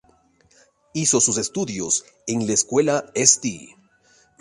Hizo sus estudios en la Escuela St.